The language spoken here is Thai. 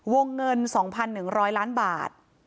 วงเงิน๒๑๐๐ล้านบาท